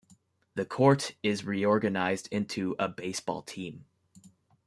The Court is reorganized into a baseball team.